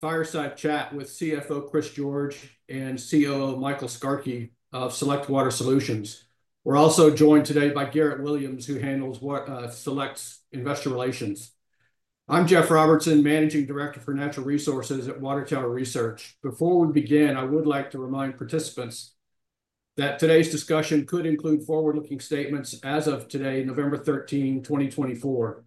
Fireside chat with CFO Chris George and COO Michael Skarke of Select Water Solutions. We're also joined today by Garrett Williams, who handles Select's investor relations. I'm Jeff Robertson, Managing Director for Natural Resources at Water Tower Research. Before we begin, I would like to remind participants that today's discussion could include forward-looking statements as of today, November 13, 2024.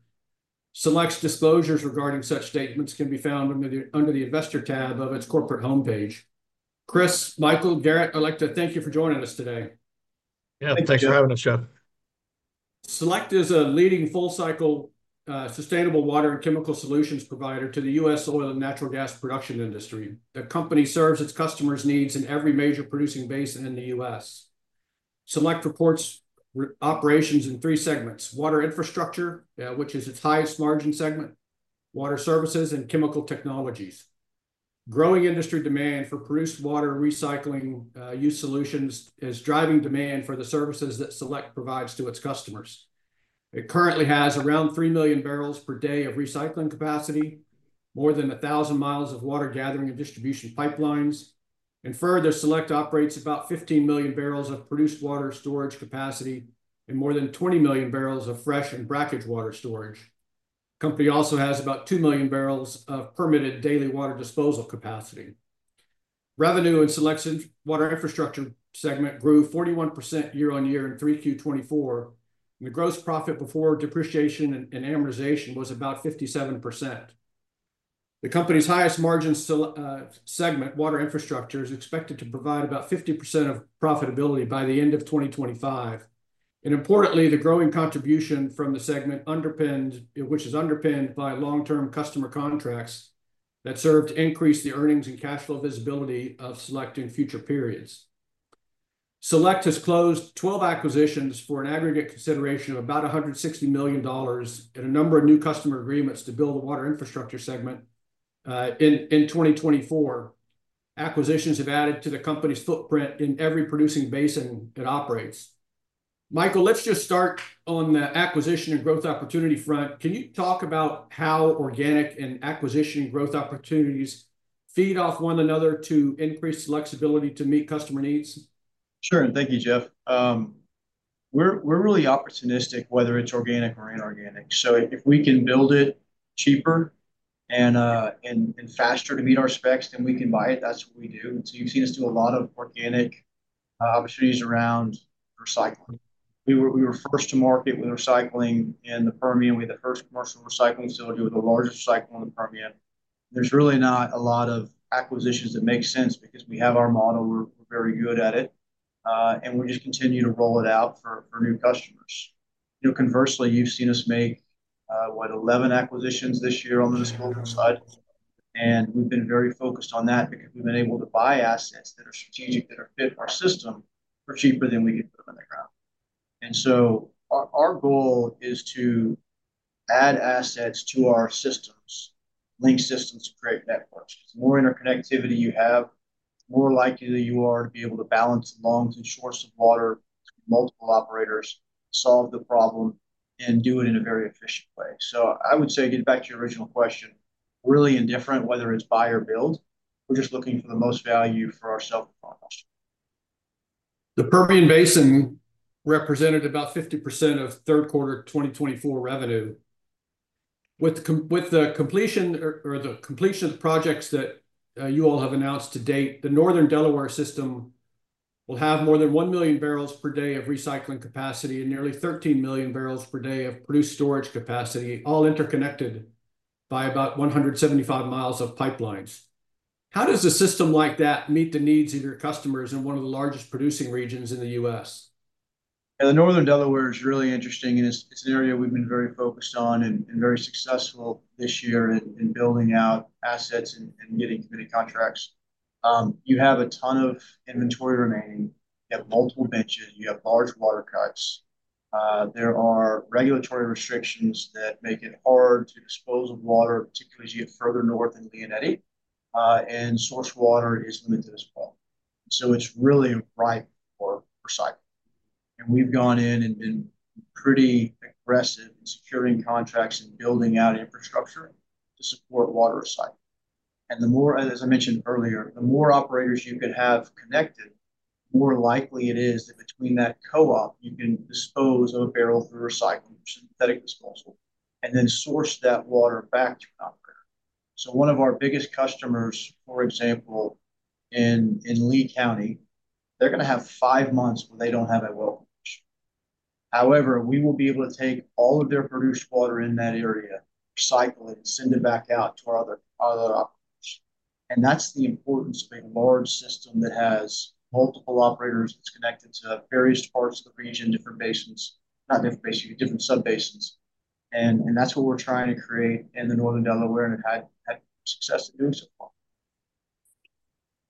Select's disclosures regarding such statements can be found under the Investor tab of its corporate homepage. Chris, Michael, Garrett, I'd like to thank you for joining us today. Yeah, thanks for having us, Jeff. Select is a leading full-cycle sustainable water and chemical solutions provider to the U.S. oil and natural gas production industry. The company serves its customers' needs in every major producing basin in the U.S. Select reports operations in three segments: water infrastructure, which is its highest margin segment, water services, and chemical technologies. Growing industry demand for produced water recycling use solutions is driving demand for the services that Select provides to its customers. It currently has around 3 million barrels per day of recycling capacity, more than 1,000 mi of water gathering and distribution pipelines, and further, Select operates about 15 million barrels of produced water storage capacity and more than 20 million barrels of fresh and brackish water storage. The company also has about 2 million barrels of permitted daily water disposal capacity. Revenue in Select's water infrastructure segment grew 41% year-on-year in 3Q 2024, and the gross profit before depreciation and amortization was about 57%. The company's highest margin segment, water infrastructure, is expected to provide about 50% of profitability by the end of 2025, and importantly, the growing contribution from the segment, which is underpinned by long-term customer contracts that serve to increase the earnings and cash flow visibility of Select in future periods. Select has closed 12 acquisitions for an aggregate consideration of about $160 million and a number of new customer agreements to build the water infrastructure segment in 2024. Acquisitions have added to the company's footprint in every producing basin it operates. Michael, let's just start on the acquisition and growth opportunity front. Can you talk about how organic and acquisition and growth opportunities feed off one another to increase flexibility to meet customer needs? Sure. And thank you, Jeff. We're really opportunistic, whether it's organic or inorganic. So if we can build it cheaper and faster to meet our specs, then we can buy it. That's what we do. And so you've seen us do a lot of organic opportunities around recycling. We were first to market with recycling in the Permian. We had the first commercial recycling facility with the largest recycling in the Permian. There's really not a lot of acquisitions that make sense because we have our model. We're very good at it. And we just continue to roll it out for new customers. Conversely, you've seen us make, what, 11 acquisitions this year on the disposal side. And we've been very focused on that because we've been able to buy assets that are strategic, that are fit for our system for cheaper than we can put them in the ground. And so our goal is to add assets to our systems, link systems to create networks. The more interconnectivity you have, the more likely you are to be able to balance the longs and shorts of water to multiple operators, solve the problem, and do it in a very efficient way. So I would say, getting back to your original question, really indifferent whether it's buy or build. We're just looking for the most value for ourselves and for our customers. The Permian Basin represented about 50% of third quarter 2024 revenue. With the completion of the projects that you all have announced to date, the Northern Delaware system will have more than 1 million barrels per day of recycling capacity and nearly 13 million barrels per day of produced storage capacity, all interconnected by about 175 mi of pipelines. How does a system like that meet the needs of your customers in one of the largest producing regions in the U.S.? Yeah, the Northern Delaware is really interesting. And it's an area we've been very focused on and very successful this year in building out assets and getting committed contracts. You have a ton of inventory remaining. You have multiple benches. You have large water cuts. There are regulatory restrictions that make it hard to dispose of water, particularly as you get further north in Lea County. And source water is limited as well. So it's really ripe for recycling. And we've gone in and been pretty aggressive in securing contracts and building out infrastructure to support water recycling. And the more, as I mentioned earlier, the more operators you could have connected, the more likely it is that between that co-op, you can dispose of a barrel through recycling or synthetic disposal and then source that water back to an operator. So one of our biggest customers, for example, in Lea County, they're going to have five months where they don't have a well. However, we will be able to take all of their produced water in that area, recycle it, and send it back out to our other operators. And that's the importance of a large system that has multiple operators that's connected to various parts of the region, different basins, not different basins, different sub-basins. And that's what we're trying to create in the Northern Delaware and have had success in doing so far.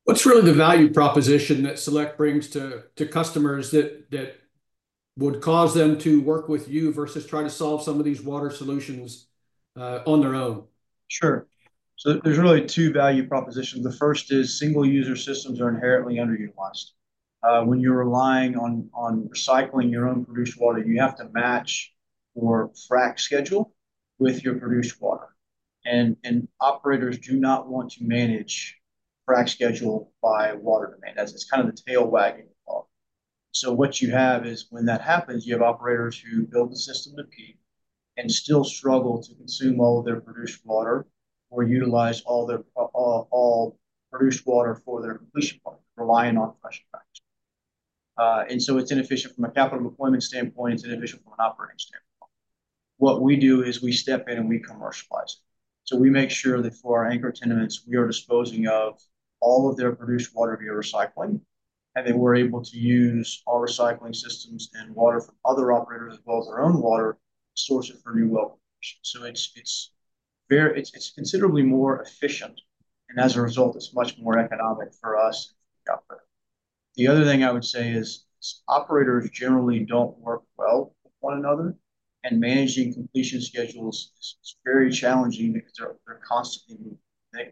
What's really the value proposition that Select brings to customers that would cause them to work with you versus try to solve some of these water solutions on their own? Sure. So there's really two value propositions. The first is single-user systems are inherently underutilized. When you're relying on recycling your own produced water, you have to match your frac schedule with your produced water. And operators do not want to manage frac schedule by water demand. It's kind of the tail wagging the water. So what you have is when that happens, you have operators who build the system to peak and still struggle to consume all of their produced water or utilize all their produced water for their completion part, relying on fresh fracs. And so it's inefficient from a capital deployment standpoint. It's inefficient from an operating standpoint. What we do is we step in and we commercialize it. So we make sure that for our anchor tenants, we are disposing of all of their produced water via recycling, and that we're able to use our recycling systems and water from other operators, as well as their own water, source it for new well. So it's considerably more efficient. And as a result, it's much more economic for us and for the operator. The other thing I would say is operators generally don't work well with one another. And managing completion schedules is very challenging because they're constantly moving.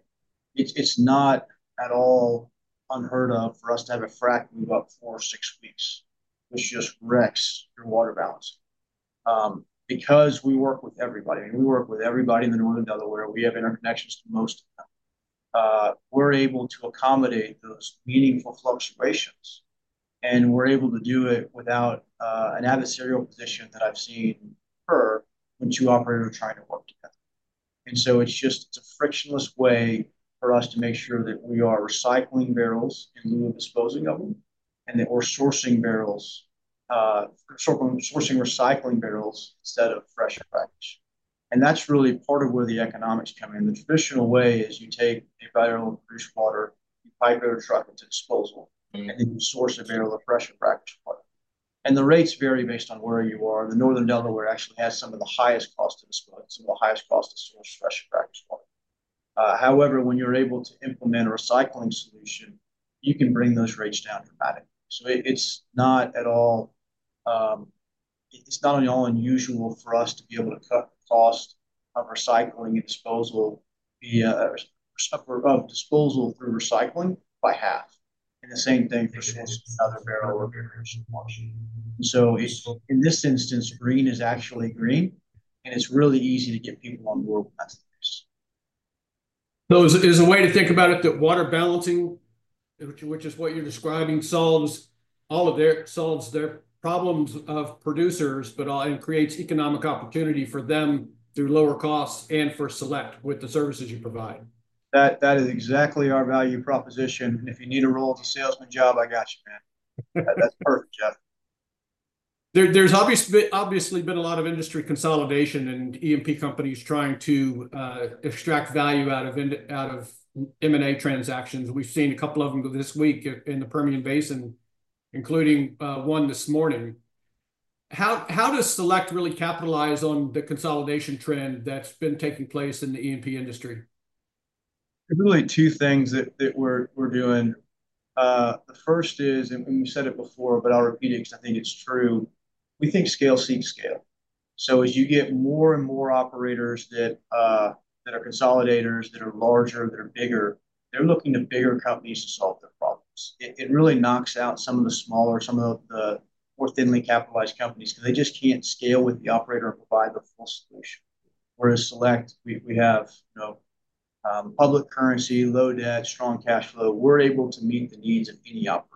It's not at all unheard of for us to have a frac move up four or six weeks, which just wrecks your water balance. Because we work with everybody, and we work with everybody in the Northern Delaware, we have interconnections to most of them. We're able to accommodate those meaningful fluctuations, and we're able to do it without an adversarial position that I've seen occur when two operators are trying to work together. And so it's just a frictionless way for us to make sure that we are recycling barrels in lieu of disposing of them and that we're sourcing barrels, sourcing recycling barrels instead of fresh fracs. And that's really part of where the economics come in. The traditional way is you take a barrel of produced water, you pipe or truck it into disposal, and then you source a barrel of fresh and brackish water. And the rates vary based on where you are. The Northern Delaware actually has some of the highest cost of disposal, some of the highest cost of source fresh and brackish water. However, when you're able to implement a recycling solution, you can bring those rates down dramatically, so it's not at all, it's not at all unusual for us to be able to cut the cost of recycling and disposal via disposal through recycling by half, and the same thing for sourcing another barrel, so in this instance, green is actually green, and it's really easy to get people on board with that. So is a way to think about it that water balancing, which is what you're describing, solves all of their problems of producers, but creates economic opportunity for them through lower costs and for Select with the services you provide? That is exactly our value proposition. And if you need a role as a salesman job, I got you, man. That's perfect, Jeff. There's obviously been a lot of industry consolidation and E&P companies trying to extract value out of M&A transactions. We've seen a couple of them this week in the Permian Basin, including one this morning. How does Select really capitalize on the consolidation trend that's been taking place in the E&P industry? There's really two things that we're doing. The first is, and we said it before, but I'll repeat it because I think it's true. We think scale seeks scale. So as you get more and more operators that are consolidators, that are larger, that are bigger, they're looking to bigger companies to solve their problems. It really knocks out some of the smaller, some of the more thinly capitalized companies because they just can't scale with the operator and provide the full solution. Whereas Select, we have public currency, low debt, strong cash flow. We're able to meet the needs of any operator.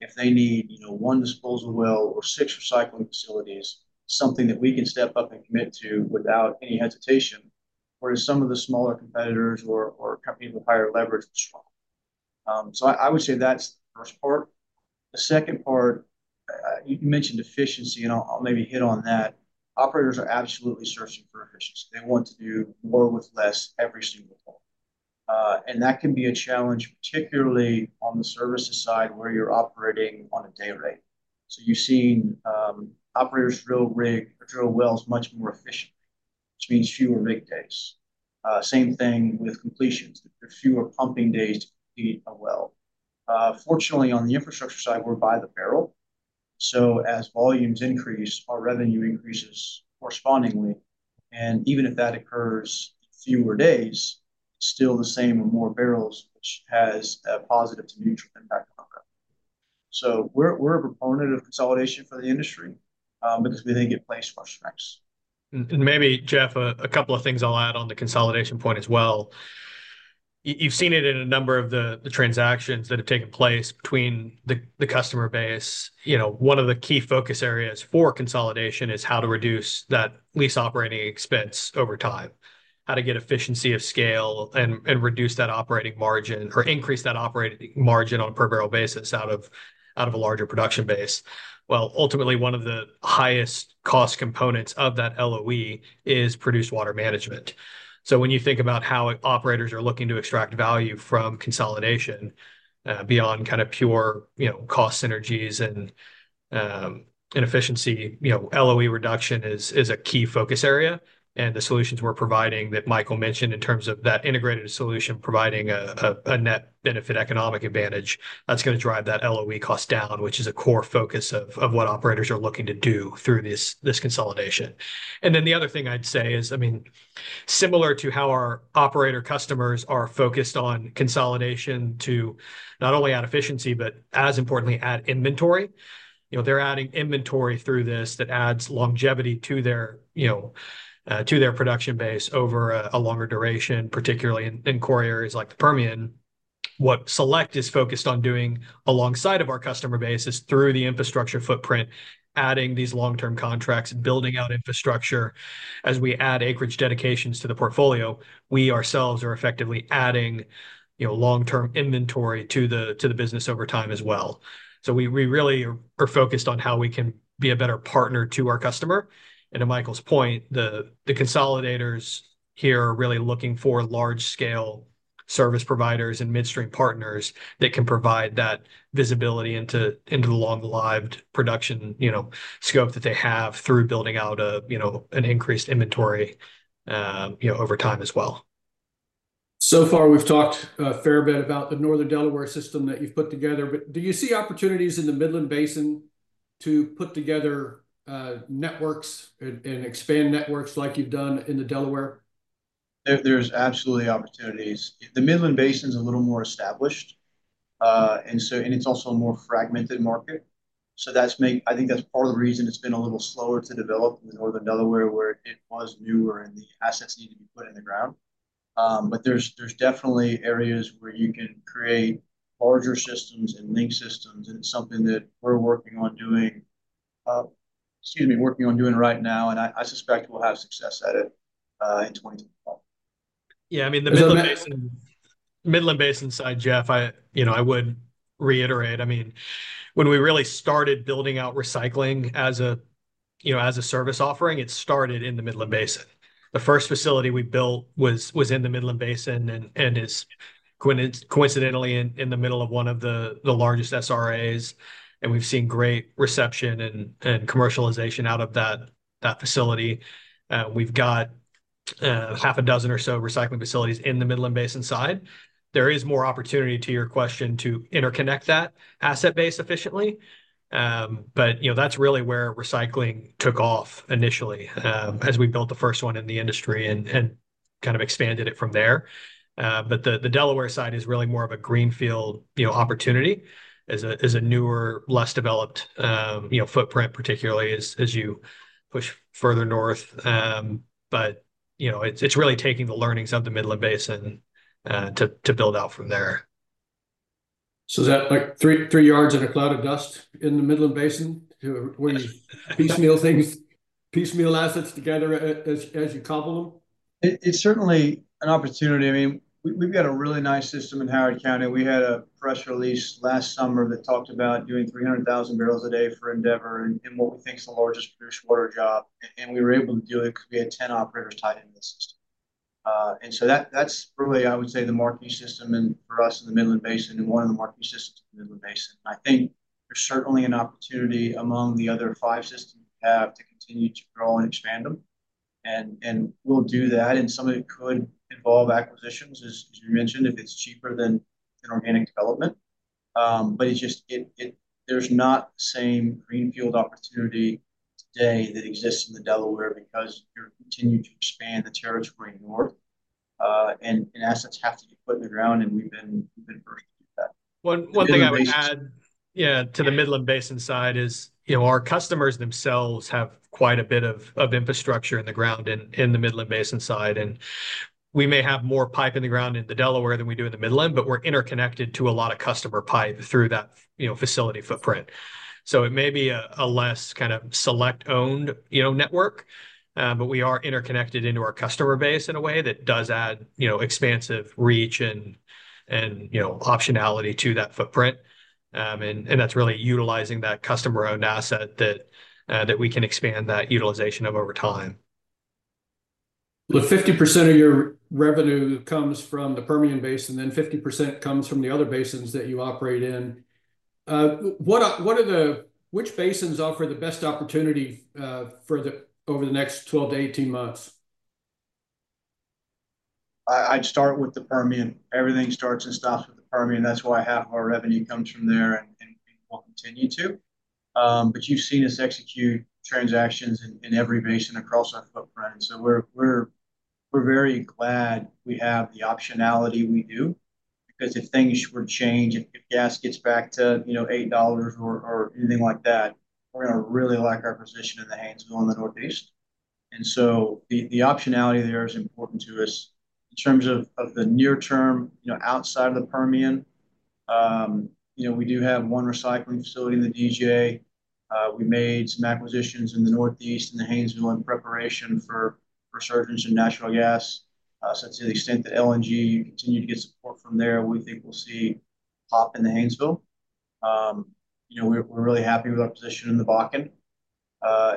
If they need one disposal well or six recycling facilities, something that we can step up and commit to without any hesitation, whereas some of the smaller competitors or companies with higher leverage are strong. So I would say that's the first part. The second part, you mentioned efficiency, and I'll maybe hit on that. Operators are absolutely searching for efficiency. They want to do more with less every single time. And that can be a challenge, particularly on the services side where you're operating on a day rate. So you've seen operators drill rig or drill wells much more efficiently, which means fewer rig days. Same thing with completions. There's fewer pumping days to complete a well. Fortunately, on the infrastructure side, we're by the barrel. So as volumes increase, our revenue increases correspondingly. And even if that occurs in fewer days, it's still the same with more barrels, which has a positive to neutral impact on our revenue. So we're a proponent of consolidation for the industry because we think it plays for our strengths. And maybe, Jeff, a couple of things I'll add on the consolidation point as well. You've seen it in a number of the transactions that have taken place between the customer base. One of the key focus areas for consolidation is how to reduce that lease operating expense over time, how to get efficiency of scale and reduce that operating margin or increase that operating margin on a per barrel basis out of a larger production base. Well, ultimately, one of the highest cost components of that LOE is produced water management. So when you think about how operators are looking to extract value from consolidation beyond kind of pure cost synergies and inefficiency, LOE reduction is a key focus area. The solutions we're providing that Michael mentioned in terms of that integrated solution providing a net benefit economic advantage. That's going to drive that LOE cost down, which is a core focus of what operators are looking to do through this consolidation. Then the other thing I'd say is, I mean, similar to how our operator customers are focused on consolidation to not only add efficiency, but as importantly, add inventory. They're adding inventory through this that adds longevity to their production base over a longer duration, particularly in core areas like the Permian. What Select is focused on doing alongside of our customer base is through the infrastructure footprint, adding these long-term contracts and building out infrastructure. As we add acreage dedications to the portfolio, we ourselves are effectively adding long-term inventory to the business over time as well. We really are focused on how we can be a better partner to our customer. To Michael's point, the consolidators here are really looking for large-scale service providers and midstream partners that can provide that visibility into the long-lived production scope that they have through building out an increased inventory over time as well. So far, we've talked a fair bit about the Northern Delaware system that you've put together. But do you see opportunities in the Midland Basin to put together networks and expand networks like you've done in the Delaware? There's absolutely opportunities. The Midland Basin is a little more established, and it's also a more fragmented market, so I think that's part of the reason it's been a little slower to develop in the Northern Delaware, where it was newer and the assets needed to be put in the ground, but there's definitely areas where you can create larger systems and link systems, and it's something that we're working on doing, excuse me, working on doing right now, and I suspect we'll have success at it in 2025. Yeah. I mean, the Midland Basin side, Jeff, I would reiterate. I mean, when we really started building out recycling as a service offering, it started in the Midland Basin. The first facility we built was in the Midland Basin and is coincidentally in the middle of one of the largest SRAs. And we've seen great reception and commercialization out of that facility. We've got half a dozen or so recycling facilities in the Midland Basin side. There is more opportunity, to your question, to interconnect that asset base efficiently. But that's really where recycling took off initially as we built the first one in the industry and kind of expanded it from there. But the Delaware side is really more of a greenfield opportunity as a newer, less developed footprint, particularly as you push further north. But it's really taking the learnings of the Midland Basin to build out from there. So is that like three yards in a cloud of dust in the Midland Basin where you piecemeal things, piecemeal assets together as you cobble them? It's certainly an opportunity. I mean, we've got a really nice system in Howard County. We had a press release last summer that talked about doing 300,000 barrels a day for Endeavor in what we think is the largest produced water job. And we were able to do it because we had 10 operators tied into the system. And so that's really, I would say, the marketing system for us in the Midland Basin and one of the marketing systems in the Midland Basin. I think there's certainly an opportunity among the other five systems we have to continue to grow and expand them. And we'll do that. And some of it could involve acquisitions, as you mentioned, if it's cheaper than organic development. But there's not the same greenfield opportunity today that exists in the Delaware because you're continuing to expand the territory north. Assets have to be put in the ground. We've been urged to do that. One thing I would add, yeah, to the Midland Basin side is our customers themselves have quite a bit of infrastructure in the ground in the Midland Basin side. And we may have more pipe in the ground in the Delaware than we do in the Midland, but we're interconnected to a lot of customer pipe through that facility footprint. So it may be a less kind of Select-owned network, but we are interconnected into our customer base in a way that does add expansive reach and optionality to that footprint. And that's really utilizing that customer-owned asset that we can expand that utilization of over time. The 50% of your revenue comes from the Permian Basin, then 50% comes from the other basins that you operate in. Which basins offer the best opportunity over the next 12 to 18 months? I'd start with the Permian. Everything starts and stops with the Permian. That's why half of our revenue comes from there and will continue to, but you've seen us execute transactions in every basin across our footprint, so we're very glad we have the optionality we do because if things were to change, if gas gets back to $8 or anything like that, we're going to really like our position in the Haynesville in the Northeast, and so the optionality there is important to us. In terms of the near term, outside of the Permian, we do have one recycling facility in the DJ. We made some acquisitions in the Northeast in the Haynesville in preparation for resurgence in natural gas, so to the extent that LNG continues to get support from there, we think we'll see pop in the Haynesville. We're really happy with our position in the Bakken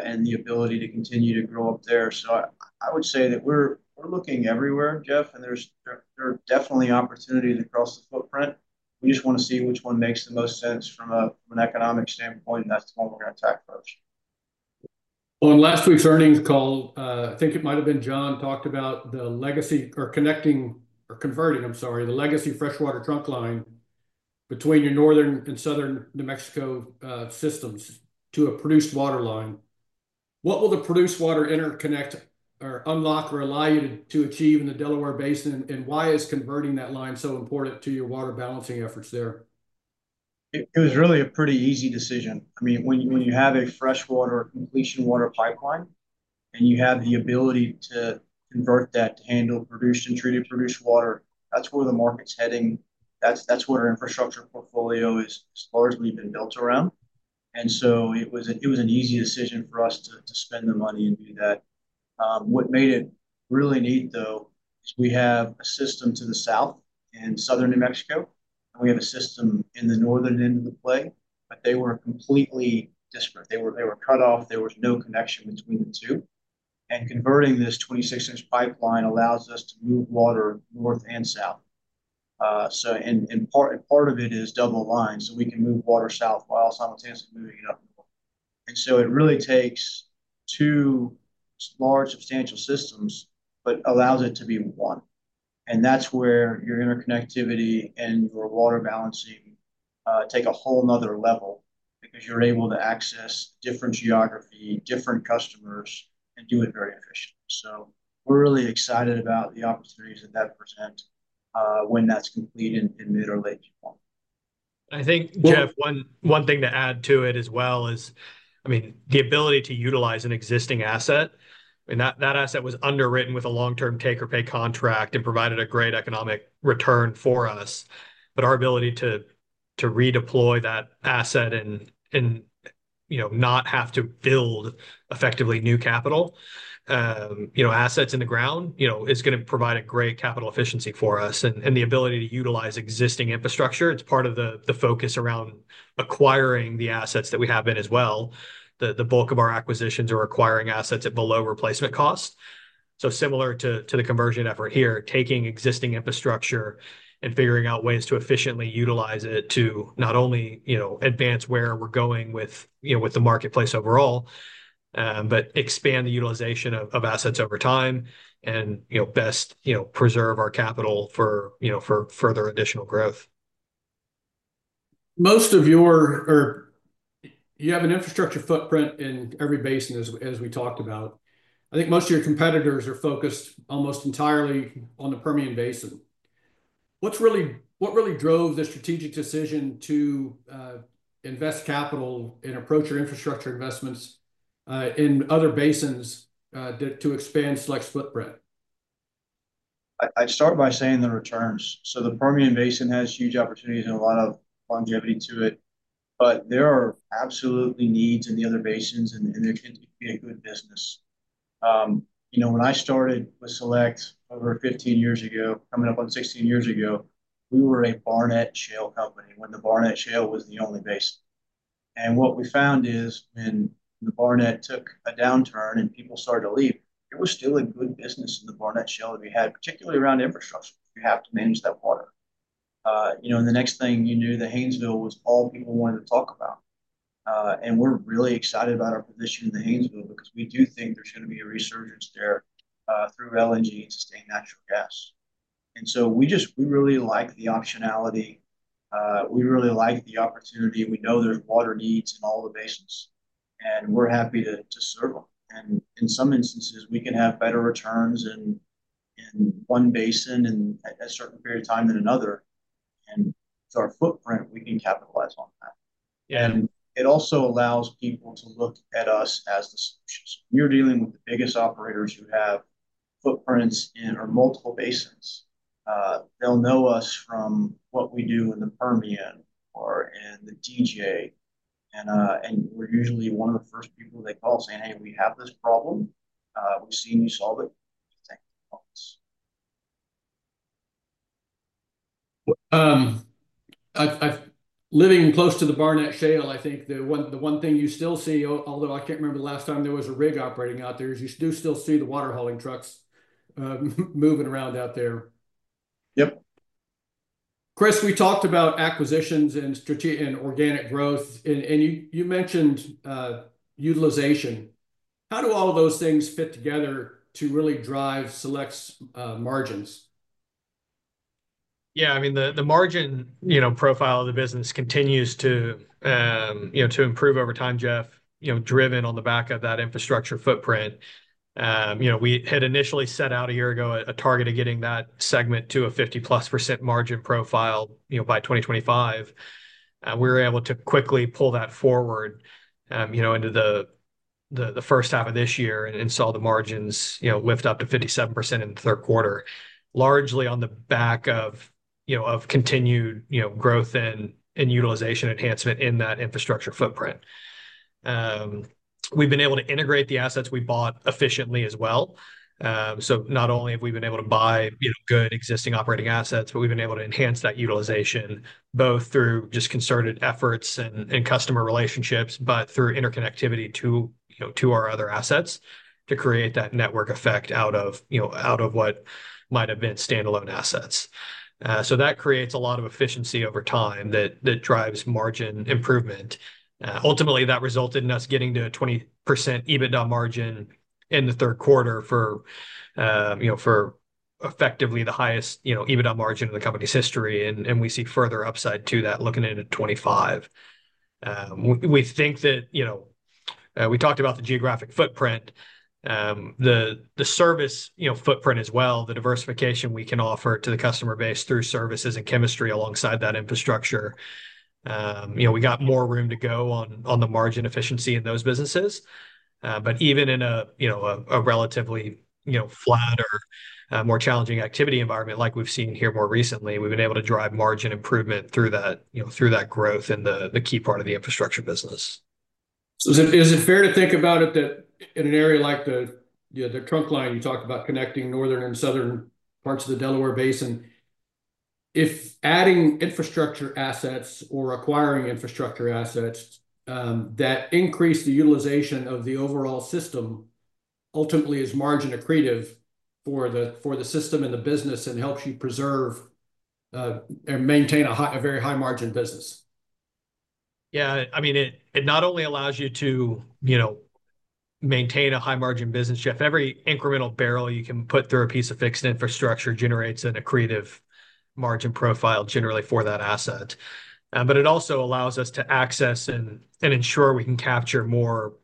and the ability to continue to grow up there. So I would say that we're looking everywhere, Jeff, and there are definitely opportunities across the footprint. We just want to see which one makes the most sense from an economic standpoint, and that's the one we're going to attack first. On last week's earnings call, I think it might have been John talked about the legacy or connecting or converting, I'm sorry, the legacy freshwater trunk line between your Northern and Southern New Mexico systems to a produced water line. What will the produced water interconnect or unlock or allow you to achieve in the Delaware Basin? And why is converting that line so important to your water balancing efforts there? It was really a pretty easy decision. I mean, when you have a freshwater completion water pipeline and you have the ability to convert that to handle produced and treated produced water, that's where the market's heading. That's what our infrastructure portfolio has largely been built around. And so it was an easy decision for us to spend the money and do that. What made it really neat, though, is we have a system to the south in Southern New Mexico, and we have a system in the northern end of the play, but they were completely disparate. They were cut off. There was no connection between the two. And converting this 26-inch pipeline allows us to move water north and south. And part of it is double lines. So we can move water south while simultaneously moving it up north. And so it really takes two large, substantial systems, but allows it to be one. And that's where your interconnectivity and your water balancing take a whole nother level because you're able to access different geography, different customers, and do it very efficiently. So we're really excited about the opportunities that that presents when that's complete in mid or late Q1. I think, Jeff, one thing to add to it as well is, I mean, the ability to utilize an existing asset. I mean, that asset was underwritten with a long-term take-or-pay contract and provided a great economic return for us. But our ability to redeploy that asset and not have to build effectively new capital, assets in the ground, is going to provide a great capital efficiency for us. And the ability to utilize existing infrastructure, it's part of the focus around acquiring the assets that we have in as well. The bulk of our acquisitions are acquiring assets at below replacement cost. So similar to the conversion effort here, taking existing infrastructure and figuring out ways to efficiently utilize it to not only advance where we're going with the marketplace overall, but expand the utilization of assets over time and best preserve our capital for further additional growth. Most of your, or you have an infrastructure footprint in every basin, as we talked about. I think most of your competitors are focused almost entirely on the Permian Basin. What really drove the strategic decision to invest capital and approach your infrastructure investments in other basins to expand Select footprint? I'd start by saying the returns. So the Permian Basin has huge opportunities and a lot of longevity to it. But there are absolutely needs in the other basins, and there can be a good business. When I started with Select over 15 years ago, coming up on 16 years ago, we were a Barnett Shale company when the Barnett Shale was the only basin. And what we found is when the Barnett took a downturn and people started to leave, it was still a good business in the Barnett Shale that we had, particularly around infrastructure. You have to manage that water. And the next thing you knew, the Haynesville was all people wanted to talk about. And we're really excited about our position in the Haynesville because we do think there's going to be a resurgence there through LNG and sustained natural gas. And so we really like the optionality. We really like the opportunity. We know there's water needs in all the basins. And we're happy to serve them. And in some instances, we can have better returns in one basin at a certain period of time than another. And to our footprint, we can capitalize on that. And it also allows people to look at us as the solutions. When you're dealing with the biggest operators who have footprints in multiple basins, they'll know us from what we do in the Permian or in the DJ. And we're usually one of the first people they call saying, "Hey, we have this problem. We've seen you solve it. Living close to the Barnett Shale, I think the one thing you still see, although I can't remember the last time there was a rig operating out there, is you do still see the water hauling trucks moving around out there. Yep. Chris, we talked about acquisitions and organic growth, and you mentioned utilization. How do all of those things fit together to really drive Select's margins? Yeah. I mean, the margin profile of the business continues to improve over time, Jeff, driven on the back of that infrastructure footprint. We had initially set out a year ago a target of getting that segment to a 50%+ margin profile by 2025. We were able to quickly pull that forward into the first half of this year and saw the margins lift up to 57% in the third quarter, largely on the back of continued growth and utilization enhancement in that infrastructure footprint. We've been able to integrate the assets we bought efficiently as well. So not only have we been able to buy good existing operating assets, but we've been able to enhance that utilization both through just concerted efforts and customer relationships, but through interconnectivity to our other assets to create that network effect out of what might have been standalone assets. So that creates a lot of efficiency over time that drives margin improvement. Ultimately, that resulted in us getting to a 20% EBITDA margin in the third quarter for effectively the highest EBITDA margin in the company's history. And we see further upside to that looking into 2025. We think that we talked about the geographic footprint, the service footprint as well, the diversification we can offer to the customer base through services and chemistry alongside that infrastructure. We got more room to go on the margin efficiency in those businesses. But even in a relatively flat or more challenging activity environment like we've seen here more recently, we've been able to drive margin improvement through that growth in the key part of the infrastructure business. So is it fair to think about it that in an area like the trunk line you talked about connecting northern and southern parts of the Delaware Basin, if adding infrastructure assets or acquiring infrastructure assets that increase the utilization of the overall system ultimately is margin accretive for the system and the business and helps you preserve and maintain a very high-margin business? Yeah. I mean, it not only allows you to maintain a high-margin business, Jeff. Every incremental barrel you can put through a piece of fixed infrastructure generates an accretive margin profile generally for that asset. But it also allows us to access and ensure we can capture more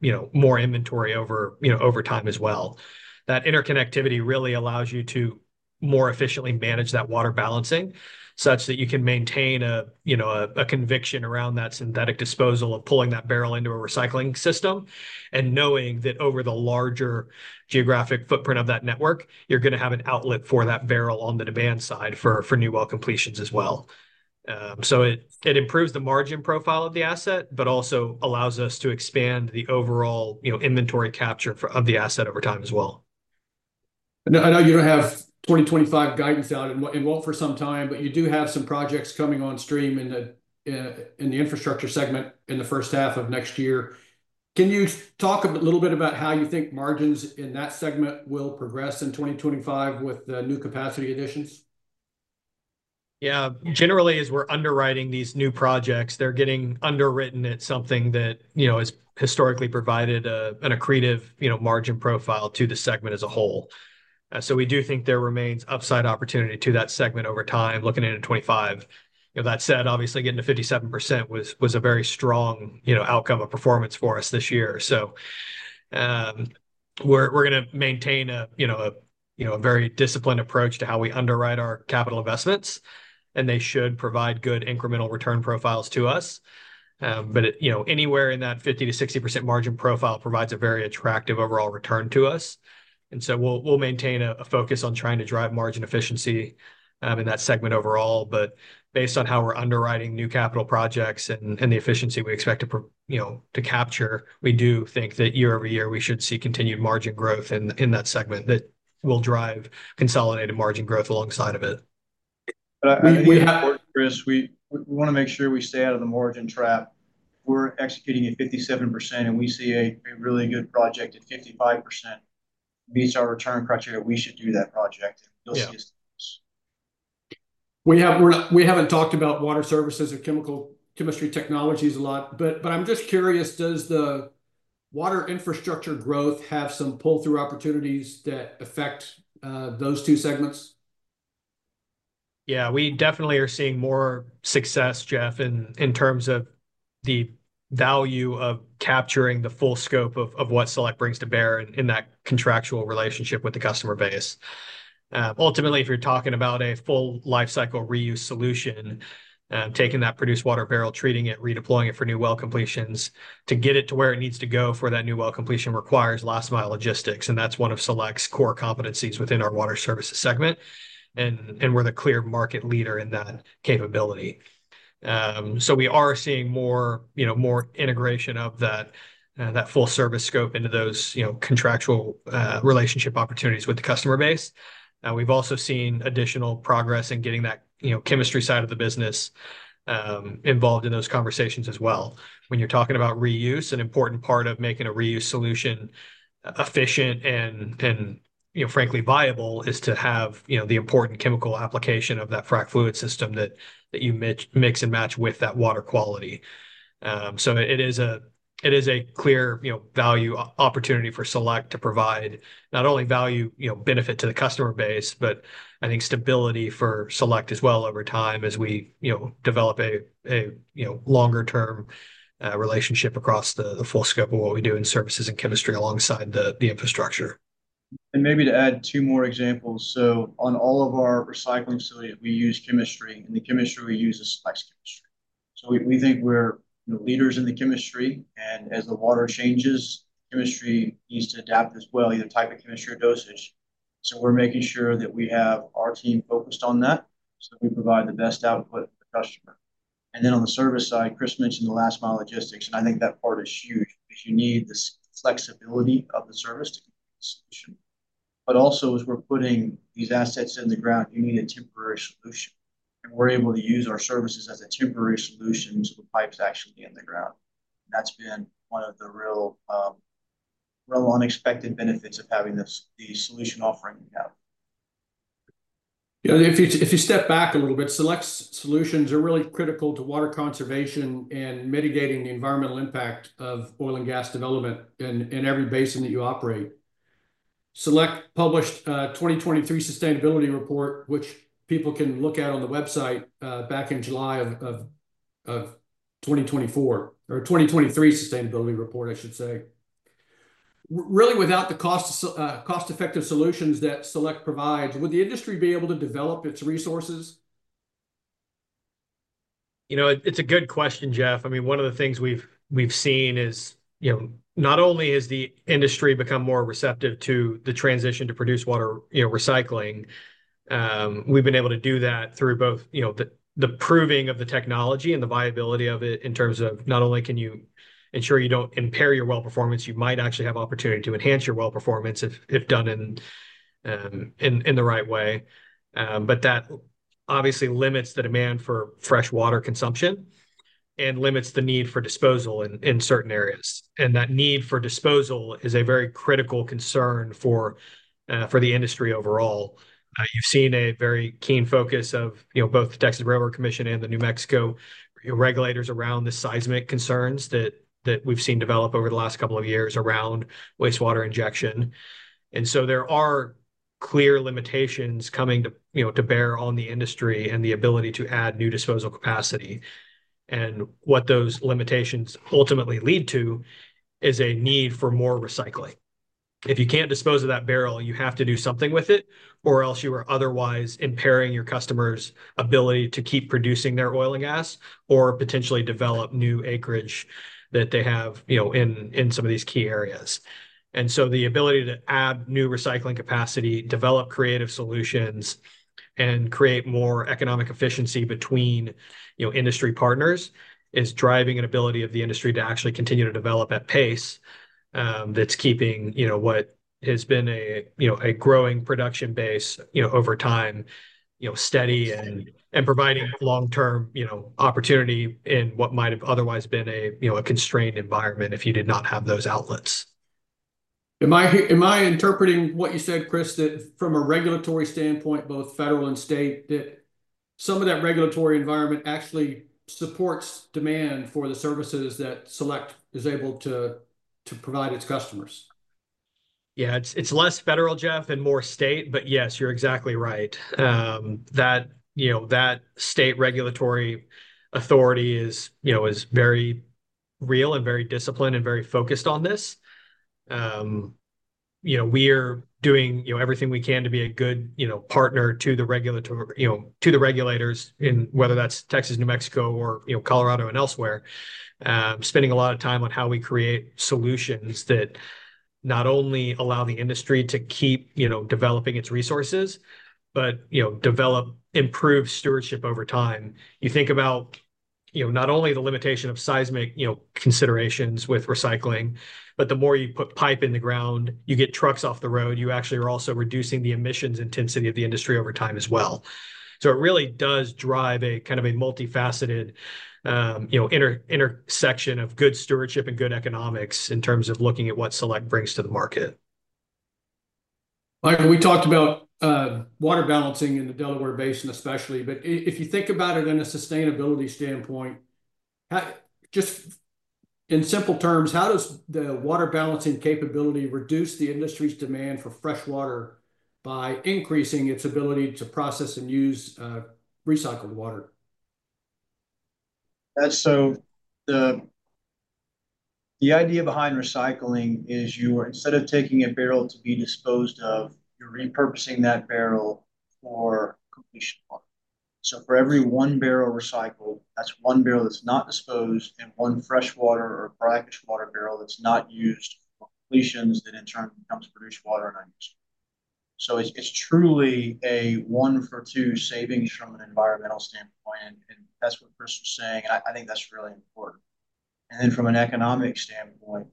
inventory over time as well. That interconnectivity really allows you to more efficiently manage that water balancing such that you can maintain a conviction around that synthetic disposal of pulling that barrel into a recycling system and knowing that over the larger geographic footprint of that network, you're going to have an outlet for that barrel on the demand side for new well completions as well. So it improves the margin profile of the asset, but also allows us to expand the overall inventory capture of the asset over time as well. I know you don't have 2025 guidance out yet for some time, but you do have some projects coming on stream in the infrastructure segment in the first half of next year. Can you talk a little bit about how you think margins in that segment will progress in 2025 with the new capacity additions? Yeah. Generally, as we're underwriting these new projects, they're getting underwritten at something that has historically provided an accretive margin profile to the segment as a whole. So we do think there remains upside opportunity to that segment over time looking into 2025. That said, obviously, getting to 57% was a very strong outcome of performance for us this year. So we're going to maintain a very disciplined approach to how we underwrite our capital investments, and they should provide good incremental return profiles to us. But anywhere in that 50%-60% margin profile provides a very attractive overall return to us. And so we'll maintain a focus on trying to drive margin efficiency in that segment overall. But based on how we're underwriting new capital projects and the efficiency we expect to capture, we do think that year over year, we should see continued margin growth in that segment that will drive consolidated margin growth alongside of it. We have work, Chris. We want to make sure we stay out of the margin trap. We're executing at 57%, and we see a really good project at 55% meets our return criteria. We should do that project. We haven't talked about water services or chemical technologies a lot. But I'm just curious, does the water infrastructure growth have some pull-through opportunities that affect those two segments? Yeah. We definitely are seeing more success, Jeff, in terms of the value of capturing the full scope of what Select brings to bear in that contractual relationship with the customer base. Ultimately, if you're talking about a full life cycle reuse solution, taking that produced water barrel, treating it, redeploying it for new well completions, to get it to where it needs to go for that new well completion requires last-mile logistics. And that's one of Select's core competencies within our water services segment. And we're the clear market leader in that capability. So we are seeing more integration of that full service scope into those contractual relationship opportunities with the customer base. We've also seen additional progress in getting that chemistry side of the business involved in those conversations as well. When you're talking about reuse, an important part of making a reuse solution efficient and, frankly, viable is to have the important chemical application of that frac fluid system that you mix and match with that water quality. So it is a clear value opportunity for Select to provide not only value benefit to the customer base, but I think stability for Select as well over time as we develop a longer-term relationship across the full scope of what we do in services and chemistry alongside the infrastructure. And maybe to add two more examples. So on all of our recycling facilities, we use chemistry. And the chemistry we use is Select's chemistry. So we think we're leaders in the chemistry. And as the water changes, chemistry needs to adapt as well, either type of chemistry or dosage. So we're making sure that we have our team focused on that so that we provide the best output for the customer. And then on the service side, Chris mentioned the last-mile logistics. And I think that part is huge because you need the flexibility of the service to complete the solution. But also, as we're putting these assets in the ground, you need a temporary solution. And we're able to use our services as a temporary solution so the pipes actually get in the ground. That's been one of the real unexpected benefits of having the solution offering we have. If you step back a little bit, Select's solutions are really critical to water conservation and mitigating the environmental impact of oil and gas development in every basin that you operate. Select published a 2023 sustainability report, which people can look at on the website back in July of 2024, or 2023 sustainability report, I should say. Really, without the cost-effective solutions that Select provides, would the industry be able to develop its resources? It's a good question, Jeff. I mean, one of the things we've seen is not only has the industry become more receptive to the transition to produced water recycling, we've been able to do that through both the proving of the technology and the viability of it in terms of not only can you ensure you don't impair your well performance, you might actually have opportunity to enhance your well performance if done in the right way. But that obviously limits the demand for fresh water consumption and limits the need for disposal in certain areas. And that need for disposal is a very critical concern for the industry overall. You've seen a very keen focus of both the Texas Railroad Commission and the New Mexico regulators around the seismic concerns that we've seen develop over the last couple of years around wastewater injection. And so there are clear limitations coming to bear on the industry and the ability to add new disposal capacity. And what those limitations ultimately lead to is a need for more recycling. If you can't dispose of that barrel, you have to do something with it, or else you are otherwise impairing your customer's ability to keep producing their oil and gas or potentially develop new acreage that they have in some of these key areas. And so the ability to add new recycling capacity, develop creative solutions, and create more economic efficiency between industry partners is driving an ability of the industry to actually continue to develop at pace that's keeping what has been a growing production base over time steady and providing long-term opportunity in what might have otherwise been a constrained environment if you did not have those outlets. Am I interpreting what you said, Chris, that from a regulatory standpoint, both federal and state, that some of that regulatory environment actually supports demand for the services that Select is able to provide its customers? Yeah. It's less federal, Jeff, and more state. But yes, you're exactly right. That state regulatory authority is very real and very disciplined and very focused on this. We are doing everything we can to be a good partner to the regulators in whether that's Texas, New Mexico, or Colorado and elsewhere, spending a lot of time on how we create solutions that not only allow the industry to keep developing its resources, but develop improved stewardship over time. You think about not only the limitation of seismic considerations with recycling, but the more you put pipe in the ground, you get trucks off the road, you actually are also reducing the emissions intensity of the industry over time as well. So it really does drive a kind of a multifaceted intersection of good stewardship and good economics in terms of looking at what Select brings to the market. We talked about water balancing in the Delaware Basin especially. But if you think about it in a sustainability standpoint, just in simple terms, how does the water balancing capability reduce the industry's demand for fresh water by increasing its ability to process and use recycled water? So the idea behind recycling is you are instead of taking a barrel to be disposed of, you're repurposing that barrel for completion water. So for every one barrel recycled, that's one barrel that's not disposed and one fresh water or brackish water barrel that's not used for completions that in turn becomes produced water and unused. So it's truly a one-for-two savings from an environmental standpoint. And that's what Chris was saying. And I think that's really important. And then from an economic standpoint,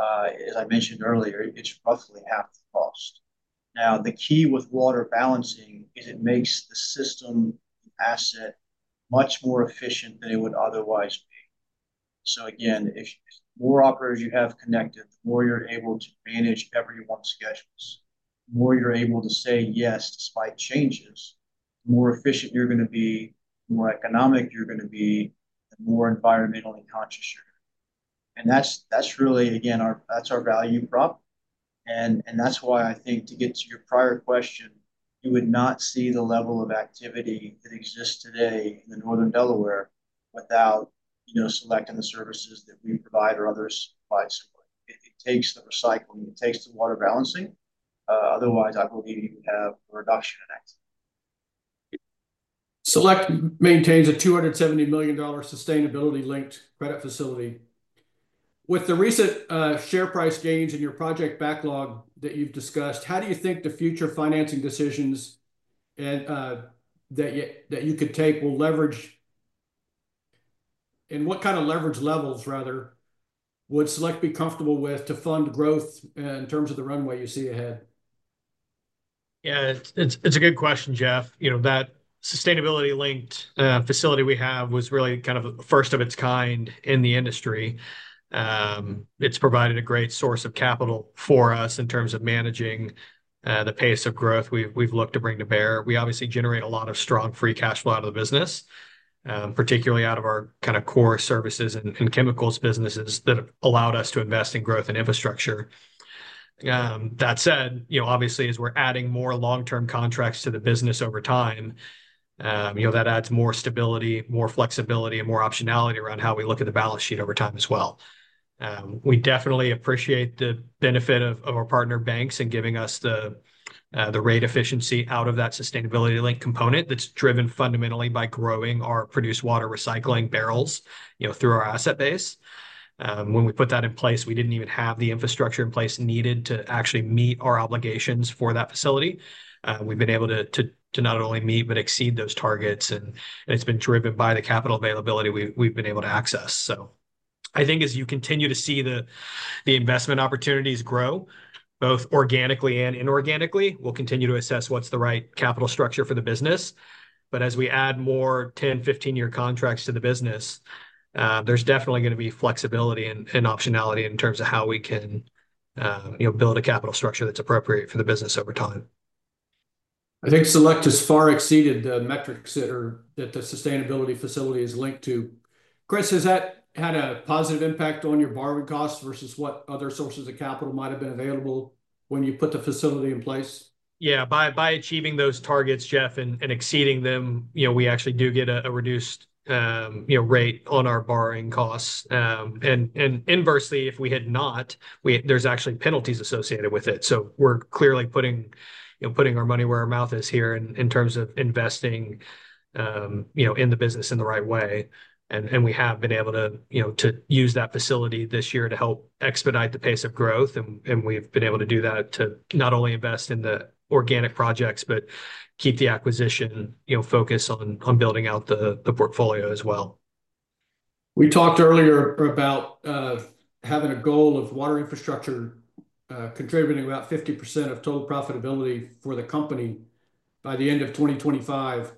as I mentioned earlier, it's roughly half the cost. Now, the key with water balancing is it makes the system asset much more efficient than it would otherwise be. So again, the more operators you have connected, the more you're able to manage everyone's schedules. The more you're able to say yes despite changes, the more efficient you're going to be, the more economic you're going to be, the more environmentally conscious you're going to be. And that's really, again, that's our value prop. And that's why I think to get to your prior question, you would not see the level of activity that exists today in the Northern Delaware without selecting the services that we provide or others basically. It takes the recycling. It takes the water balancing. Otherwise, I believe you would have a reduction in activity. Select maintains a $270 million sustainability-linked credit facility. With the recent share price gains in your project backlog that you've discussed, how do you think the future financing decisions that you could take will leverage, and what kind of leverage levels, rather, would Select be comfortable with to fund growth in terms of the runway you see ahead? Yeah. It's a good question, Jeff. That sustainability-linked facility we have was really kind of first of its kind in the industry. It's provided a great source of capital for us in terms of managing the pace of growth we've looked to bring to bear. We obviously generate a lot of strong free cash flow out of the business, particularly out of our kind of core services and chemicals businesses that have allowed us to invest in growth and infrastructure. That said, obviously, as we're adding more long-term contracts to the business over time, that adds more stability, more flexibility, and more optionality around how we look at the balance sheet over time as well. We definitely appreciate the benefit of our partner banks in giving us the rate efficiency out of that sustainability-linked component that's driven fundamentally by growing our produced water recycling barrels through our asset base. When we put that in place, we didn't even have the infrastructure in place needed to actually meet our obligations for that facility. We've been able to not only meet but exceed those targets, and it's been driven by the capital availability we've been able to access, so I think as you continue to see the investment opportunities grow, both organically and inorganically, we'll continue to assess what's the right capital structure for the business, but as we add more 10, 15-year contracts to the business, there's definitely going to be flexibility and optionality in terms of how we can build a capital structure that's appropriate for the business over time. I think Select has far exceeded the metrics that the sustainability facility is linked to. Chris, has that had a positive impact on your borrowing costs versus what other sources of capital might have been available when you put the facility in place? Yeah. By achieving those targets, Jeff, and exceeding them, we actually do get a reduced rate on our borrowing costs. And inversely, if we had not, there's actually penalties associated with it. So we're clearly putting our money where our mouth is here in terms of investing in the business in the right way. And we have been able to use that facility this year to help expedite the pace of growth. And we've been able to do that to not only invest in the organic projects, but keep the acquisition focused on building out the portfolio as well. We talked earlier about having a goal of water infrastructure contributing about 50% of total profitability for the company by the end of 2025.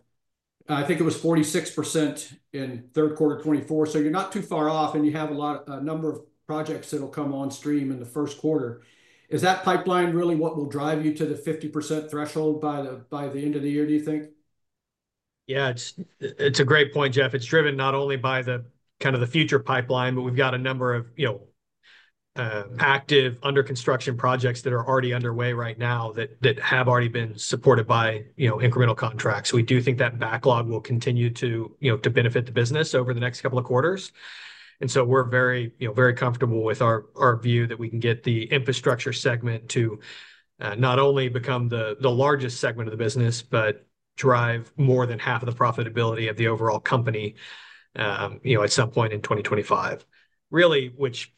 I think it was 46% in third quarter 2024. So you're not too far off. And you have a number of projects that will come on stream in the first quarter. Is that pipeline really what will drive you to the 50% threshold by the end of the year, do you think? Yeah. It's a great point, Jeff. It's driven not only by the kind of the future pipeline, but we've got a number of active under-construction projects that are already underway right now that have already been supported by incremental contracts. We do think that backlog will continue to benefit the business over the next couple of quarters. And so we're very comfortable with our view that we can get the infrastructure segment to not only become the largest segment of the business, but drive more than half of the profitability of the overall company at some point in 2025, really, which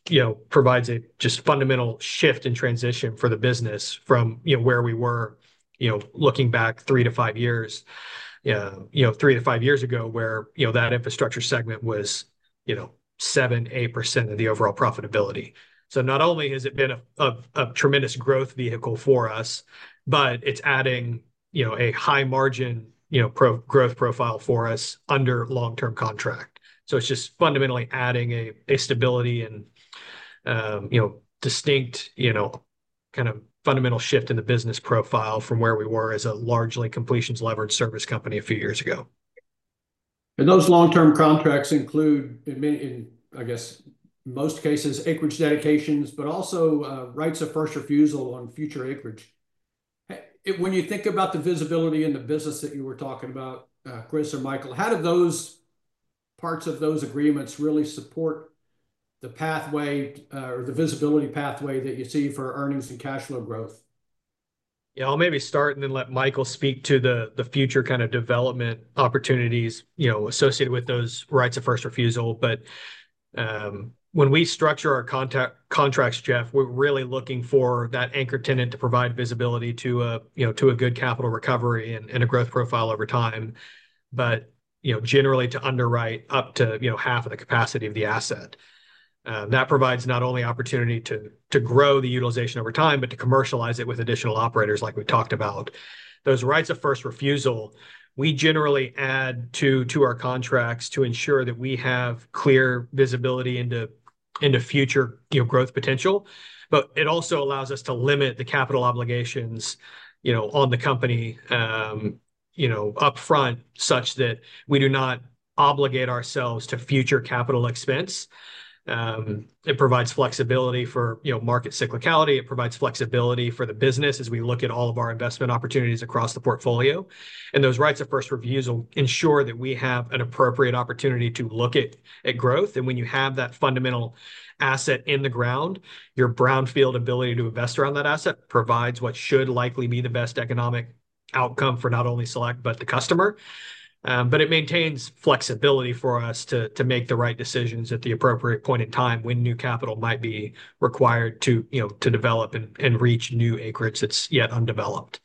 provides a just fundamental shift and transition for the business from where we were looking back three to five years, three to five years ago, where that infrastructure segment was 7%-8% of the overall profitability. So not only has it been a tremendous growth vehicle for us, but it's adding a high-margin growth profile for us under long-term contract. So it's just fundamentally adding a stability and distinct kind of fundamental shift in the business profile from where we were as a largely completions-leveraged service company a few years ago. Those long-term contracts include, in I guess, most cases, acreage dedications, but also rights of first refusal on future acreage. When you think about the visibility in the business that you were talking about, Chris or Michael, how do those parts of those agreements really support the pathway or the visibility pathway that you see for earnings and cash flow growth? Yeah. I'll maybe start and then let Michael speak to the future kind of development opportunities associated with those rights of first refusal. But when we structure our contracts, Jeff, we're really looking for that anchor tenant to provide visibility to a good capital recovery and a growth profile over time, but generally to underwrite up to half of the capacity of the asset. That provides not only opportunity to grow the utilization over time, but to commercialize it with additional operators like we talked about. Those rights of first refusal, we generally add to our contracts to ensure that we have clear visibility into future growth potential. But it also allows us to limit the capital obligations on the company upfront such that we do not obligate ourselves to future capital expense. It provides flexibility for market cyclicality. It provides flexibility for the business as we look at all of our investment opportunities across the portfolio. And those rights of first refusal ensure that we have an appropriate opportunity to look at growth. And when you have that fundamental asset in the ground, your brownfield ability to invest around that asset provides what should likely be the best economic outcome for not only Select, but the customer. But it maintains flexibility for us to make the right decisions at the appropriate point in time when new capital might be required to develop and reach new acreage that's yet undeveloped.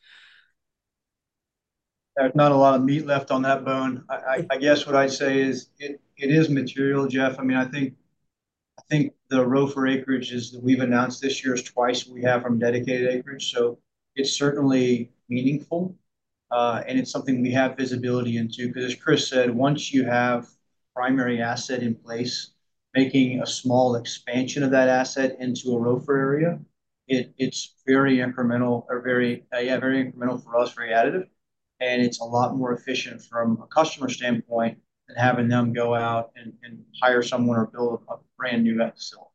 There's not a lot of meat left on that bone. I guess what I'd say is it is material, Jeff. I mean, I think the ROFR acreage that we've announced this year is twice we have from dedicated acreage. So it's certainly meaningful. And it's something we have visibility into. Because as Chris said, once you have primary asset in place, making a small expansion of that asset into a ROFR area, it's very incremental or, yeah, very incremental for us, very additive. And it's a lot more efficient from a customer standpoint than having them go out and hire someone or build a brand new.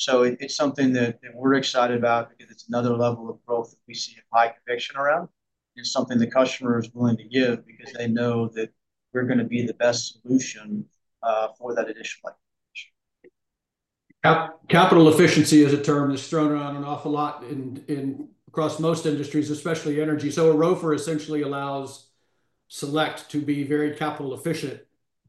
So it's something that we're excited about because it's another level of growth that we see a high conviction around. It's something the customer is willing to give because they know that we're going to be the best solution for that additional acquisition. Capital efficiency is a term that's thrown around an awful lot across most industries, especially energy. So a ROFR essentially allows Select to be very capital efficient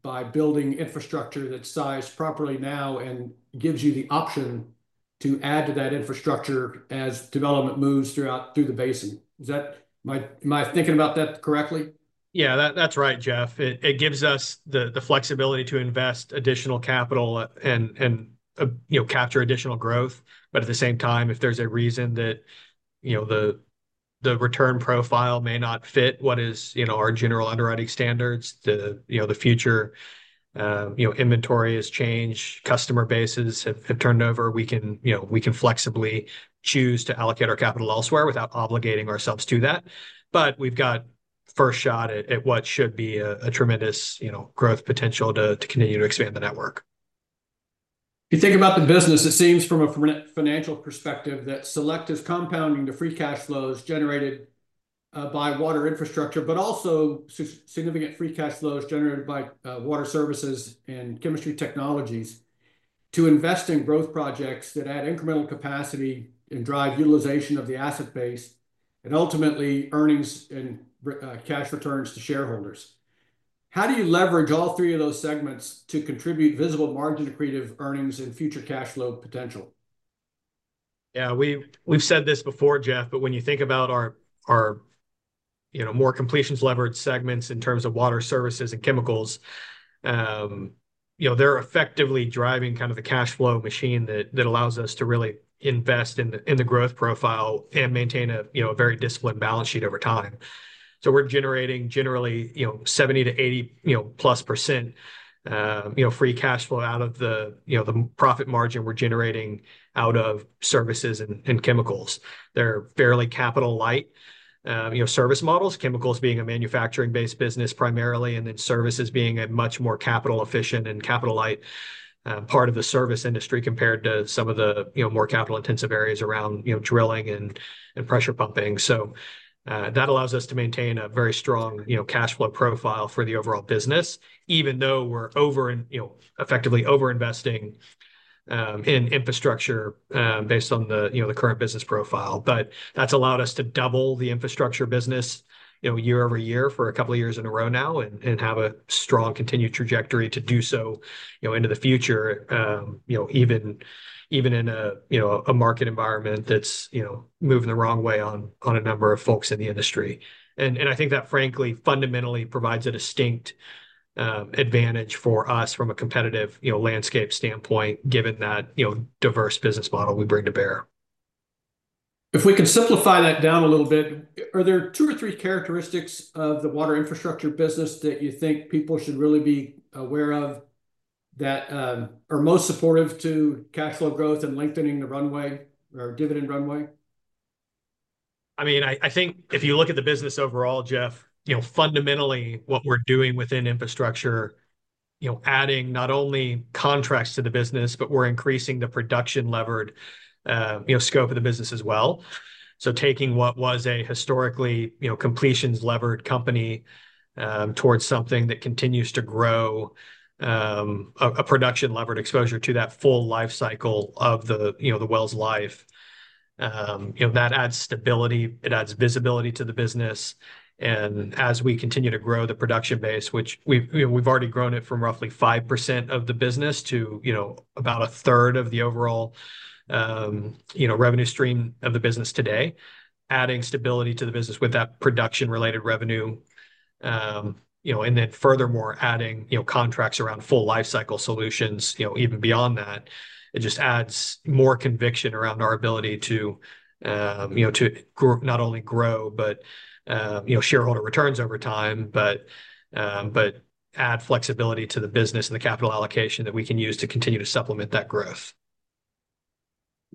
by building infrastructure that's sized properly now and gives you the option to add to that infrastructure as development moves through the basin. Am I thinking about that correctly? Yeah. That's right, Jeff. It gives us the flexibility to invest additional capital and capture additional growth. But at the same time, if there's a reason that the return profile may not fit what is our general underwriting standards, the future inventory has changed, customer bases have turned over, we can flexibly choose to allocate our capital elsewhere without obligating ourselves to that. But we've got first shot at what should be a tremendous growth potential to continue to expand the network. You think about the business. It seems from a financial perspective that Select is compounding the free cash flows generated by water infrastructure, but also significant free cash flows generated by water services and chemical technologies to invest in growth projects that add incremental capacity and drive utilization of the asset base and ultimately earnings and cash returns to shareholders. How do you leverage all three of those segments to contribute visible margin accretion, earnings and future cash flow potential? Yeah. We've said this before, Jeff, but when you think about our more completions-leveraged segments in terms of water services and chemicals, they're effectively driving kind of the cash flow machine that allows us to really invest in the growth profile and maintain a very disciplined balance sheet over time. So we're generating generally 70%-80-plus% free cash flow out of the profit margin we're generating out of services and chemicals. They're fairly capital-light service models, chemicals being a manufacturing-based business primarily, and then services being a much more capital-efficient and capital-light part of the service industry compared to some of the more capital-intensive areas around drilling and pressure pumping. So that allows us to maintain a very strong cash flow profile for the overall business, even though we're effectively over-investing in infrastructure based on the current business profile. But that's allowed us to double the infrastructure business year over year for a couple of years in a row now and have a strong continued trajectory to do so into the future, even in a market environment that's moving the wrong way on a number of folks in the industry. And I think that, frankly, fundamentally provides a distinct advantage for us from a competitive landscape standpoint, given that diverse business model we bring to bear. If we can simplify that down a little bit, are there two or three characteristics of the water infrastructure business that you think people should really be aware of that are most supportive to cash flow growth and lengthening the runway or dividend runway? I mean, I think if you look at the business overall, Jeff, fundamentally, what we're doing within infrastructure, adding not only contracts to the business, but we're increasing the production-levered scope of the business as well. So taking what was a historically completions-levered company towards something that continues to grow a production-levered exposure to that full life cycle of the well's life, that adds stability. It adds visibility to the business. And as we continue to grow the production base, which we've already grown it from roughly 5% of the business to about a third of the overall revenue stream of the business today, adding stability to the business with that production-related revenue. Furthermore, adding contracts around full life cycle solutions, even beyond that. It just adds more conviction around our ability to not only grow, but shareholder returns over time, but add flexibility to the business and the capital allocation that we can use to continue to supplement that growth.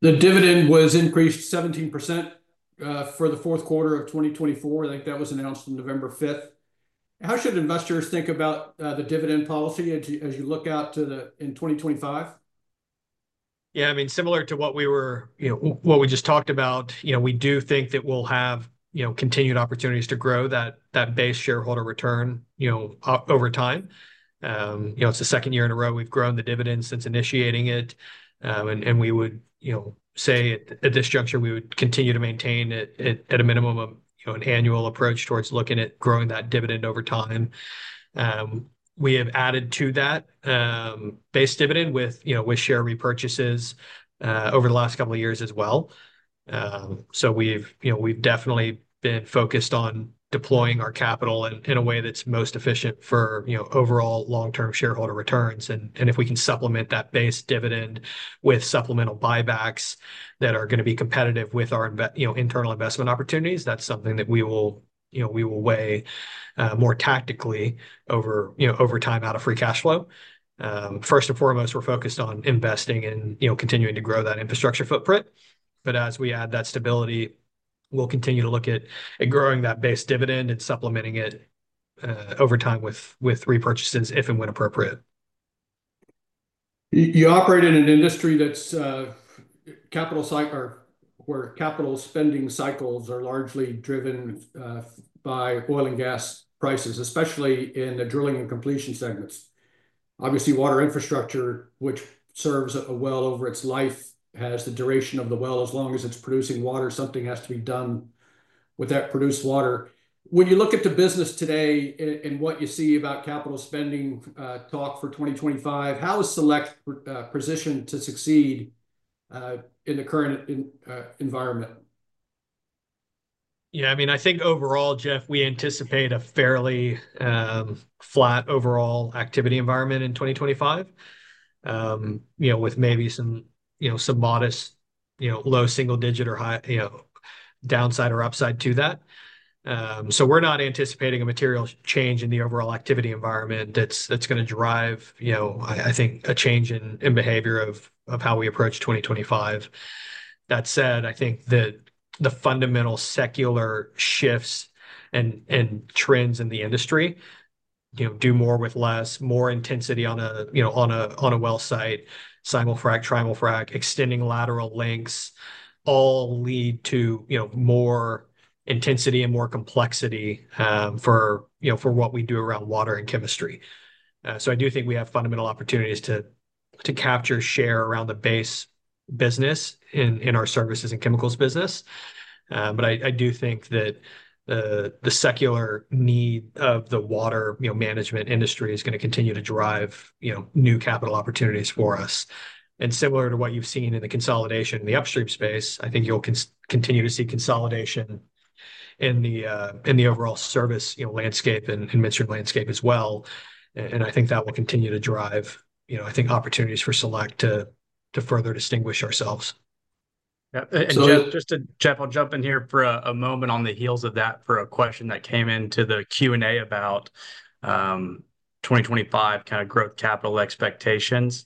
The dividend was increased 17% for the fourth quarter of 2024. I think that was announced on November 5th. How should investors think about the dividend policy as you look out to in 2025? Yeah. I mean, similar to what we just talked about, we do think that we'll have continued opportunities to grow that base shareholder return over time. It's the second year in a row we've grown the dividend since initiating it. And we would say at this juncture, we would continue to maintain it at a minimum of an annual approach towards looking at growing that dividend over time. We have added to that base dividend with share repurchases over the last couple of years as well. So we've definitely been focused on deploying our capital in a way that's most efficient for overall long-term shareholder returns. And if we can supplement that base dividend with supplemental buybacks that are going to be competitive with our internal investment opportunities, that's something that we will weigh more tactically over time out of free cash flow. First and foremost, we're focused on investing and continuing to grow that infrastructure footprint. But as we add that stability, we'll continue to look at growing that base dividend and supplementing it over time with repurchases if and when appropriate. You operate in an industry where capital spending cycles are largely driven by oil and gas prices, especially in the drilling and completion segments. Obviously, water infrastructure, which serves a well over its life, has the duration of the well as long as it's producing water. Something has to be done with that produced water. When you look at the business today and what you see about capital spending talk for 2025, how is Select positioned to succeed in the current environment? Yeah. I mean, I think overall, Jeff, we anticipate a fairly flat overall activity environment in 2025 with maybe some modest low single-digit or downside or upside to that. So we're not anticipating a material change in the overall activity environment that's going to drive, I think, a change in behavior of how we approach 2025. That said, I think that the fundamental secular shifts and trends in the industry do more with less, more intensity on a well site, simul-frac, trimul-frac, extending lateral lengths, all lead to more intensity and more complexity for what we do around water and chemistry. So I do think we have fundamental opportunities to capture share around the base business in our services and chemicals business. But I do think that the secular need of the water management industry is going to continue to drive new capital opportunities for us. Similar to what you've seen in the consolidation in the upstream space, I think you'll continue to see consolidation in the overall service landscape and midstream landscape as well. I think that will continue to drive, I think, opportunities for Select to further distinguish ourselves. Yeah. And just to Jeff, I'll jump in here for a moment on the heels of that for a question that came into the Q&A about 2025 kind of growth capital expectations.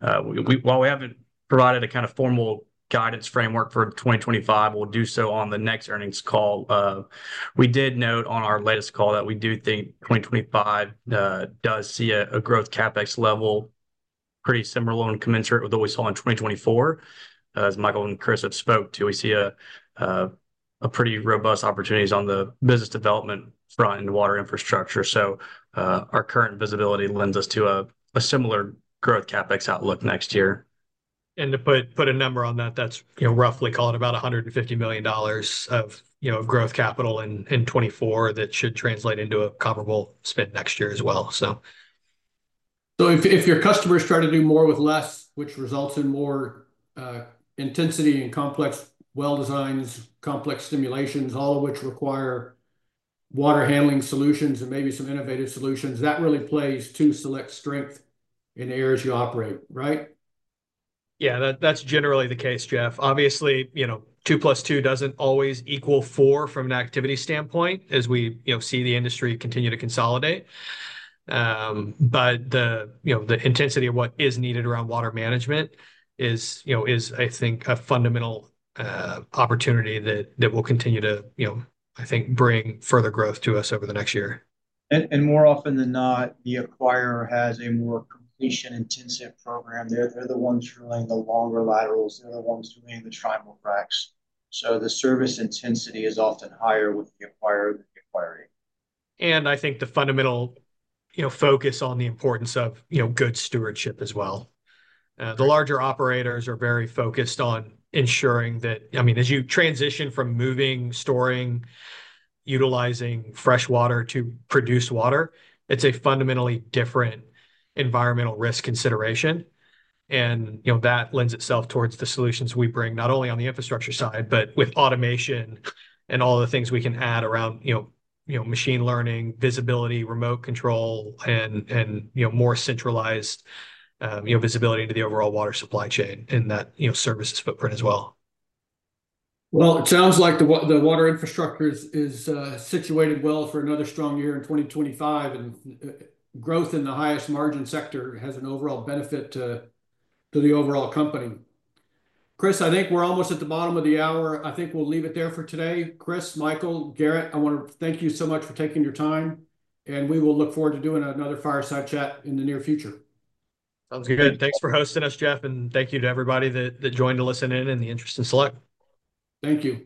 While we haven't provided a kind of formal guidance framework for 2025, we'll do so on the next earnings call. We did note on our latest call that we do think 2025 does see a growth CapEx level pretty similar and commensurate with what we saw in 2024. As Michael and Chris have spoke to, we see pretty robust opportunities on the business development front and water infrastructure. So our current visibility lends us to a similar growth CapEx outlook next year. To put a number on that, that's roughly call it about $150 million of growth capital in 2024 that should translate into a comparable spend next year as well, so. So if your customers try to do more with less, which results in more intensity and complex well designs, complex stimulations, all of which require water handling solutions and maybe some innovative solutions, that really plays to Select's strength in the areas you operate, right? Yeah. That's generally the case, Jeff. Obviously, two plus two doesn't always equal four from an activity standpoint as we see the industry continue to consolidate. But the intensity of what is needed around water management is, I think, a fundamental opportunity that will continue to, I think, bring further growth to us over the next year. And more often than not, the acquirer has a more completion-intensive program. They're the ones who are laying the longer laterals. They're the ones doing the trimul-fracs. So the service intensity is often higher with the acquirer than the acquiring. I think the fundamental focus on the importance of good stewardship as well. The larger operators are very focused on ensuring that, I mean, as you transition from moving, storing, utilizing fresh water to produce water, it's a fundamentally different environmental risk consideration. That lends itself towards the solutions we bring not only on the infrastructure side, but with automation and all the things we can add around machine learning, visibility, remote control, and more centralized visibility into the overall water supply chain and that services footprint as well. It sounds like the water infrastructure is situated well for another strong year in 2025. Growth in the highest margin sector has an overall benefit to the overall company. Chris, I think we're almost at the bottom of the hour. I think we'll leave it there for today. Chris, Michael, Garrett, I want to thank you so much for taking your time. We will look forward to doing another fireside chat in the near future. Sounds good. Thanks for hosting us, Jeff, and thank you to everybody that joined to listen in and the interest in Select. Thank you.